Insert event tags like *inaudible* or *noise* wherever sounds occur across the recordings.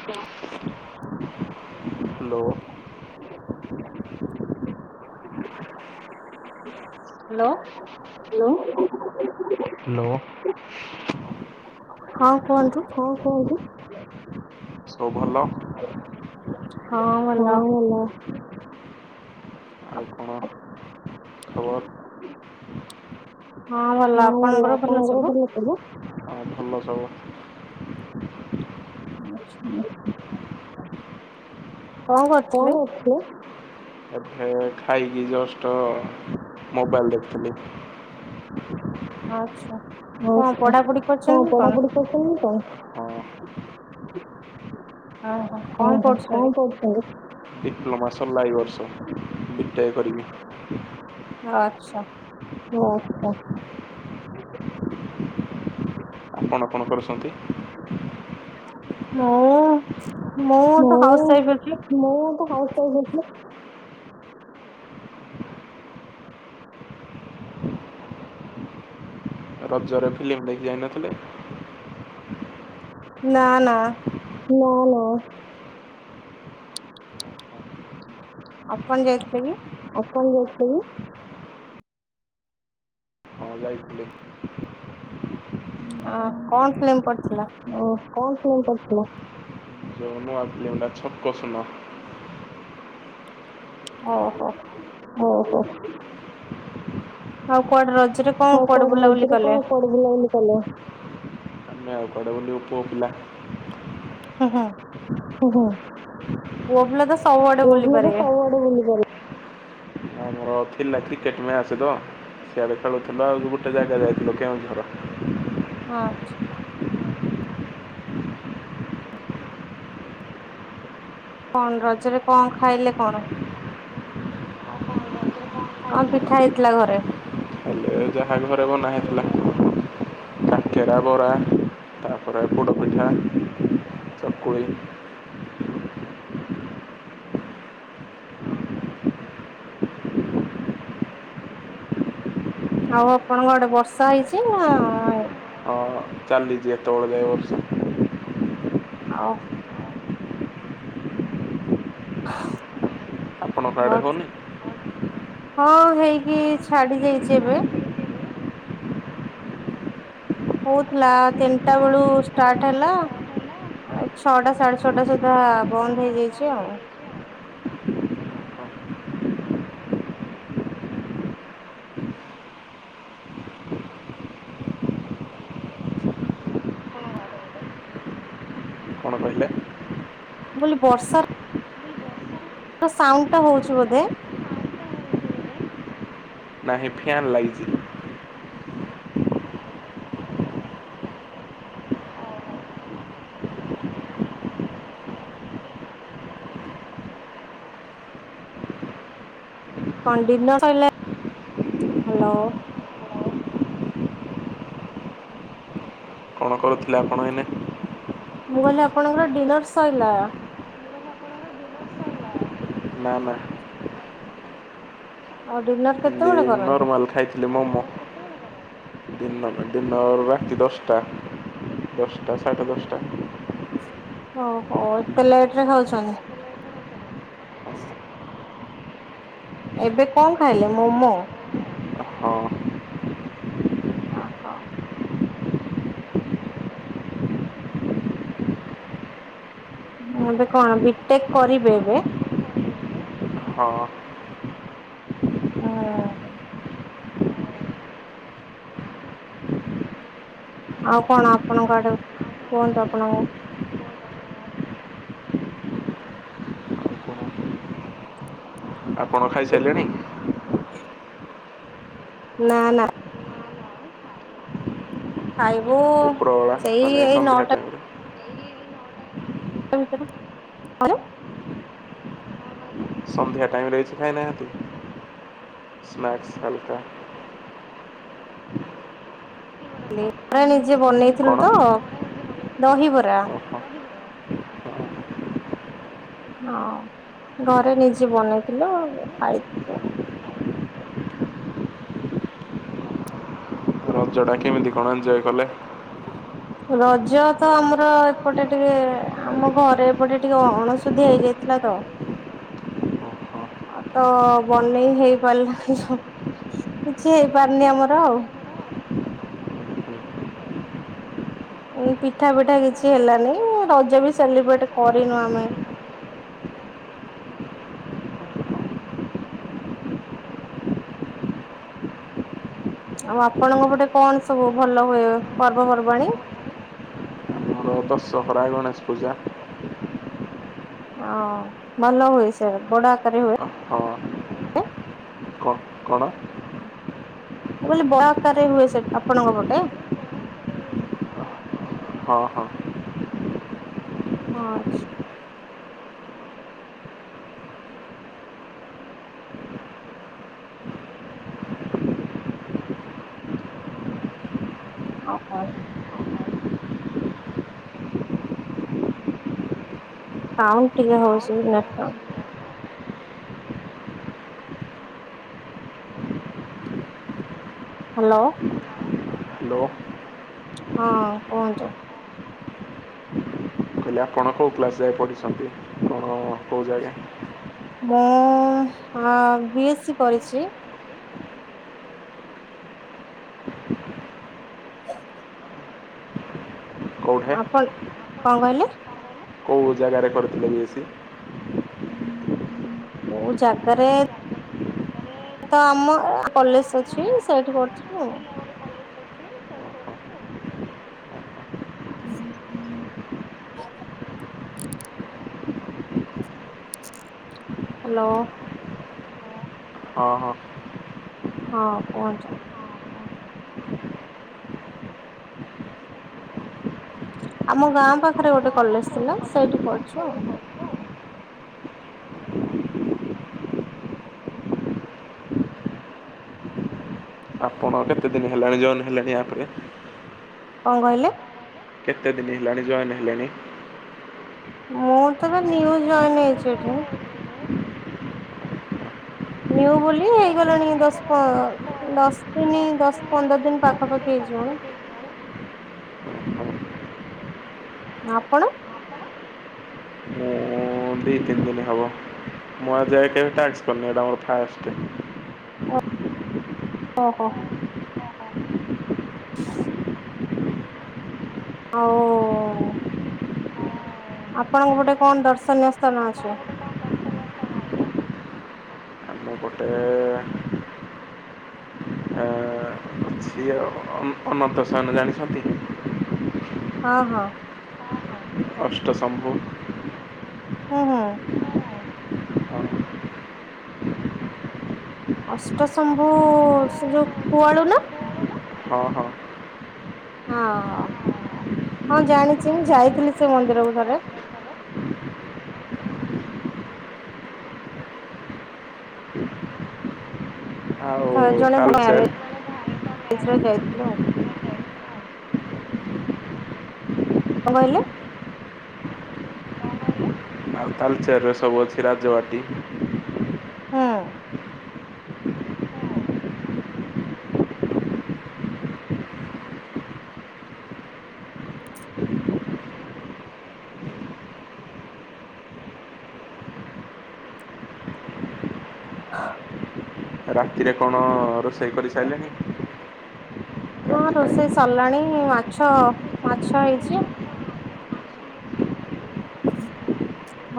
Hello. Hello. Hello hello. ହଁ କୁହନ୍ତୁ। ହଁ କହନ୍ତୁ? ସବ ଭଲ। ହଁ ଭଲ। ଆଉ କଣ ଖବର? ହଁ ଭଲ ଆପଣଙ୍କର? ଭଲ ସବୁ। କଣ କରୁଚୁ? ଏ ଖାଇକି ଜଷ୍ଟ ମୋବାଇଲ ଦେଖିଥିଲି। ଆଚ୍ଛା କଣ ଆଛା ପଢାପଢି ହଣ କରୁଛନ୍ତି କଣ? ପଢାପଢି *inaudible* ହଁ ହଁ କଣ ଓହୋ ପଢୁଛନ୍ତି? କଣ କରୁଛନ୍ତି? ଡିପ୍ଲୋମା ସରିଲା ଏଇ ବର୍ଷ ବିଟେକ୍ କରିବି। ଆଚ୍ଛା ହଛ ଆପଣପଣ କରୁଛନ୍ତି ମଁ ମୁଁ ମୁଁ ତ ଖାଉସ କଥିଲା ରବଜରେ ଫିଲ୍ମ ଦେଖି ଯାଇନଥିଲେ ନା ନା ନା ନା ଆପଣ ଯାଇଥିଲେ କି? *inaudible* *inaudible* ଅ କଣ ଫିଲ୍ମ ପଡିିଥିଲା? ଓ କଣ ଫିଲ୍ମ ପଡିିଥିଲା? *inaudible* ଓହୋ। ଓହୋ। ଆଉ କୁଆଡେ ରଜରେ ଆଉ କଣ କୁଆଡେ କୁଆଡ଼େ ବୁଲାବୁଲି ରଜରେ କଲେ? *inaudible* ହଁ ହଁ। ପିଲା ତ ସବୁଆଡେ ବୁଲି ପାରିବେ। *inaudible* ଆମର ଥିଲା କ୍ରିକେଟ୍ ମ୍ୟାଚ୍ ତ ସିଆଡ଼େ ଖେଳୁଥିଲ ଆଉଉ ଗୋଟେ ଜାଗା ଯାଇଥିଲ କେଉଁଝର। ହଁ। କଣ ରଜରେ କଣ ଖାଇଲେ କଣ? କଣ ପିଠା ହେଇଥିଲା ଘରେ? *inaudible* କାକରା ବରା ତାପରେ ପୋଡ଼ପିଠା ଚକଳି। ଆଉ ଆପଣଙ୍କ ଗୋଟେ ବର୍ଷା ହେଇଛି ନା ହଁ। *inaudible* ହଉ। ଆପଣଙ୍କ ଆଡ଼େ ବ ହଉନି? ହଁ ହେଇକି ଛାଡି ଯାଇଛି ଏବେ। ହୋଉଥିଲା ତିନିଟା ବେଳୁ ଷ୍ଟାର୍ଟ ହେଲା। ଆ ଛଅଟା ସାଢେ ଛଅଟା ସୁଦ୍ଧା ବନ୍ଦ ହେଇଯାଇଛି ଆଉ। କଣ କହିଲେ? ବୋଲି ବର୍ଷା। ତ ସାଉଣ୍ଡ ଟା ହଉଛି ବୋଧେ। ନାହିଁ ଫ୍ୟାନ୍ ଲାଗଛି। କଣ ଡିନର୍ ସଇଲାଣି ହ୍ୟାଲୋ। କଣ କରୁଥିଲେ ଆପଣ ଏଇନା। ମୁଁ କହିଲି ଆପଣଙ୍କର ଡିନର୍ ସଇଲା। ନା ନା। ଆଉ ଡିିନର କେତେ ନର୍ମାଲ୍ ଖାଇଥିଲି ମୋମୋ। ଦିନ ରାତି ନଅ ରୁ ରାତି ଦଶଟା ସାଢେଟା ଦଶଟା। ଓହୋ ଏତେ ଲେଟ୍‌ରେ ଖାଉଛନ୍ତି? ଏବେ କଣ ଖାଇଲ ମୋମୋ? ଓହୋ। ଅହ। ଏବେ କଣ ବିଟେକ୍ କରିବେ ଏବେ? ହଁ। ହଁ। ଆଉ କଣ ଆପଣଙ୍କଆଡେ କୁହନ୍ତୁ ଆପଣଙ୍କୁ ଆପଣ ଖାଇସାରିଲେଣି? ନା ନା। ଖାଇବୁ ଉ। ଉପରବେଳା ମାନେ ସନ୍ଧ୍ୟା ଟାଇମ୍ ରେ। ତା ଭିତର। ସନ୍ଧ୍ୟା ଟାଇମ୍ ରେ କିଛି ଖାଇନାହାନ୍ତି ସ୍ନାସ ହରିକା। ଲେପା ନିଜେ ବନେଇଥିଲୁ କଣ? ତ ଦହି ବରା। ଓହୋ ହଁ ଘରେ ନିଜେ ବନେଇଥିଲୁ ଖାଇଥିଲୁ। ରଜଟା କେମିତି କଣ ଏଞ୍ଜୟ କଲେ? ହ ରଜ ତ ଆମର ଏପଟେ ଟିକେ ଆମ ଘରେ ଏପଟେ ଟିକେ ଅଣଶୁଦ୍ଧି ହେଇଯାଇ ହେଲାତ। ଓହୋ। ତ ବନେଇ ହେଇପାରିଲାନି ସଅ କିଛି ହେଇପାରୁନି ଆମର ଆଉ। ଉ ପିଠା ପିଠା କିଛି ହେଲାନି। ରଜ ବି ସେଲିବ୍ରେଟ କରିନୁ ଆମେ। ଆଉ ଆପଣଙ୍କ ପଟେ କଣ ସବୁ ଭଲ ହୁଏ ପର୍ବପର୍ବାଣୀ? ମୋର ଦଶହରା, ଗଣେଶ ପୂଜା। ଆଉ ଭଲ ହୁଏ ସେ ବଡ ଆକାରରେ ହୁଏ? ହଁ କଣ କଣ? ମୁଁ କହିଲି ବଡ ଆକାରରେ ହୁଏ ସେ ଆପଣଙ୍କ ପଟେ? ହଁ ହଁ। ହଁ ଆଚ୍ଛା। ଆଉ ଆପଣ? ସାଉଣ୍ଟ ଟିକେ ହଉଛି ନେଟ୍‌ୱାକ୍। ହ୍ୟାଲୋ। ହ୍ୟାଲୋ। ହଁ କୁହନ୍ତୁ? କହିଲି ଆପଣ କୋଉ କ୍ଲାସ ଯାଏ ପଢ଼ିଛନ୍ତି କଣ କୋଉ ଜାଗା? ମୁଁ ଆଁ ବିଏ ସି କରିଛି। କେଉଁଠେ ଆପଣ କଣ କହିଲେ? କୋଉ ଜାଗାରେ କରିଥିଲେ ବି ଏ ସି? କୋଉ ଜାଗାରେ ତ ଆମ କଲେଜ ଅଛି ସେଇଠି କରୁଥିଲୁ ଆଉ। ହ୍ୟାଲୋ। ହଁ ହଁ। ହଁ କୁହନ୍ତୁ। ଆମ ଗାଁ ପାଖରେ ଗୋଟେ କଲେଜ ଥିଲା, ସେଇଠି କରିଚୁ ଆଉ। ଆପଣ କେତେ ଦିନି ହେଲାଣି ଜଏନ୍ ହେଲେଣି ଆପରେ? କଣ କହିଲେ? କେତେ ଦିନି ହେଲାଣି ଜଏନ ହେଲେଣି? ମୁଁ ତ ଏବେ ନ୍ୟୁ ଜଏନ୍ ହେଇଛି ଏଠିନା। ନ୍ୟୁ ବୋଲି ହେଇଗଲାଣି ଦଶ ପ ଦଶ ଦିନ, ଦଶ ପନ୍ଦର ଦିନ ପାଖାପାଖି ହେଇଯିବଣି। ହଁ ଆପଣ? ମୁଁ ଦି, ତିନି ଦିନ ହବ। ମୁଁ ଆଜି ଯାଏଁ କେବେ ଟାସ୍କ କରିନି, ଏଇଟା ମୋର ଫାଷ୍ଟେ। ଓହୋ। ଆଉ ଆପଣଙ୍କ ପଟେ କଣ ଦର୍ଶନୀୟ ସ୍ଥାନ ଅଛି? ଆମ ପଟେ ଏ ଅଛି ଆଉ। ଅନ୍ ଅନନ୍ତ ଶୟନ ଜାଣିଛନ୍ତି? ହଁ ହଁ। ଅଷ୍ଟଶମ୍ଭୁ ହୁଁ ହୁଁ। ହଁ ଅଷ୍ଟଶମ୍ଭୁ, ସେ ଯୋଉ କୁଆଳୁ ନା? ହଁ ହଁ। ହଁ ଅ, ଜାଣିଛି ମୁଁ ଯାଇଥିଲି ସେ ମନ୍ଦିରକୁୁ ଥରେ। ଆଉ ଜଣେ ତାଲଚେର ମାରେଜ ଯାଇଥିଲୁ ଆଉ। କଣ କହିଲେ? ଆଉ ତାଲଚେର ରେ ସବୁ ଅଛି ରାଜବାଟୀ। ହୁଁ। ରାତିରେ କଣ ରୋଷେଇ କରିସାରିଲେଣିି? ହଁ ରୋଷେଇ ସରିଲାଣି, ମାଛ, ମାଛ ହେଇଛି।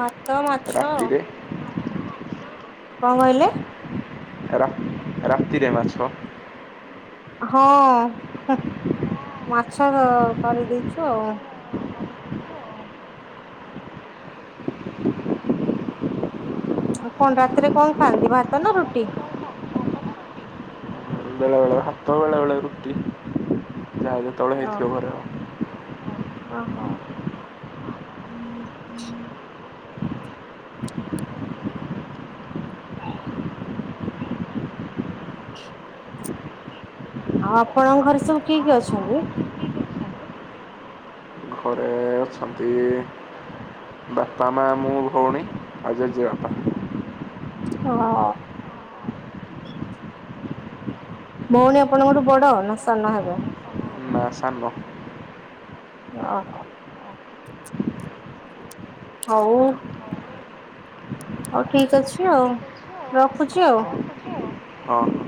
ଭାତ, ମାଛ ରାତିରେ କଣ କହିଲେ? ରା ରାତିରେ ମାଛ ହଁ, ହୁଁ ମାଛ କରିଦେଇଛୁ ଆଉ। କଣ ରାତିରେ କଣ ଖାଆନ୍ତି ଭାତ ନା ରୁଟି? ବେଳେ ବେଳେ ଭାତ ବେଳେ ବେଳେ ରୁଟି। ତଳେ ଓ ହେଇଥିବ ଘରେ ଆଉ ଓହୋ। ଆଉ ଆପଣଙ୍କ ଘରେ ସବୁ କିଏ କିଏ ଅଛନ୍ତି? ଘରେ ଅଛନ୍ତି ବାପା, ମା, ମୁଁ, ଭଉଣୀ ଆଉ ଜେଜେବାପା। ହଁ ଭଉଣୀ ଆପଣଙ୍କଠୁ ବଡ ନା ସାନ ହେବେ? ନା ସାନ। ଅହ *inaudible* ହଉ ହଉ ଠିକ୍ ଅଛି ଆଉ, ରଖୁଛି ଆଉ। ହଁ।